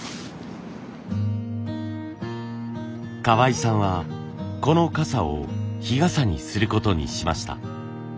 河合さんはこの傘を日傘にすることにしました。